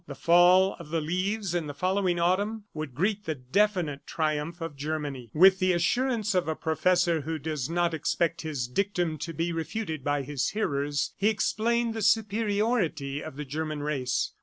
The fall of the leaves in the following autumn would greet the definite triumph of Germany. With the assurance of a professor who does not expect his dictum to be refuted by his hearers, he explained the superiority of the German race.